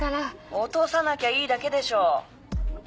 落とさなきゃいいだけでしょ！